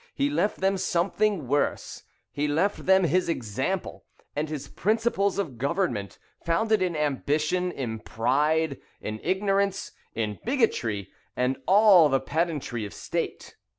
He left them something worse; he left them his example and his principles of government, founded in ambition, in pride, in ignorance, in bigotry, and all the pedantry of state."